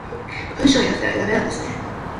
文章になってないとダメなんですね